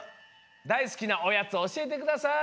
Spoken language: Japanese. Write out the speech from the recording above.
だいすきなおやつおしえてください。